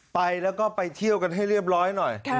ไปแล้วก็ไปเที่ยวกันให้เรียบร้อยหน่อย